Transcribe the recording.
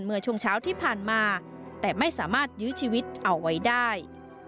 เมื่อช่วงเช้าที่ผ่านมาแต่ไม่สามารถยื้อชีวิตเอาไว้ได้